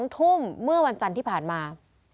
๒ทุ่มเมื่อวันจันทร์ที่ผ่านมา